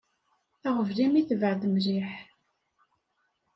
Aɣbel imi tebɛed mliḥ.